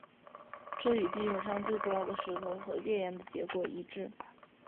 这与地球上的最古老的石头和月岩的结果一致。